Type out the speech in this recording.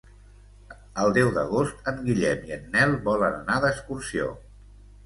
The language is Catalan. El deu d'agost en Guillem i en Nel volen anar d'excursió.